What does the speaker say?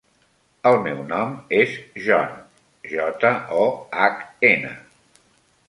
El meu nom és John: jota, o, hac, ena.